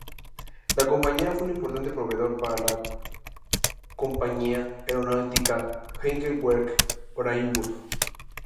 La compañía fue un importante proveedor para la compañía aeronáutica Heinkel-Werke Oranienburg.